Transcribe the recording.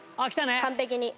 完璧に。